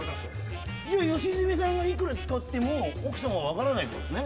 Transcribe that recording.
じゃあ良純さんがいくら使っても奥さまは分からないってことですね。